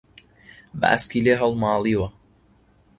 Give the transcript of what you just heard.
باسکی لێ هەڵماڵیوە